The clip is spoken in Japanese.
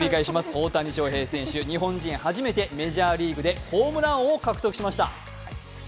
大谷翔平選手、日本人で初めてメジャーリーグでホームラン王を獲得しました